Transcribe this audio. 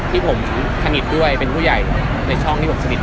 ที่ผมสนิทด้วยเป็นผู้ใหญ่ในช่องที่ผมสนิท